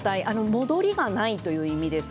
戻りがないという意味です。